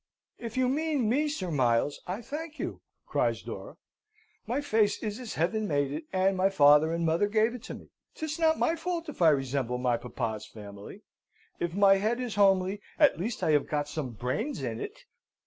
"If you mean me, Sir Miles, I thank you," cries Dora. "My face is as Heaven made it, and my father and mother gave it me. 'Tis not my fault if I resemble my papa's family. If my head is homely, at least I have got some brains in it.